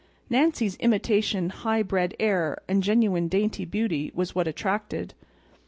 Nancy's imitation high bred air and genuine dainty beauty was what attracted.